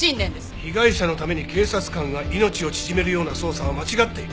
被害者のために警察官が命を縮めるような捜査は間違っている。